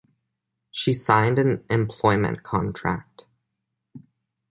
She signed an employment contract.